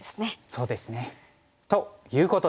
そうですね。ということで。